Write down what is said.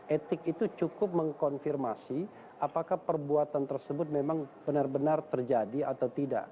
etik itu cukup mengkonfirmasi apakah perbuatan tersebut memang benar benar terjadi atau tidak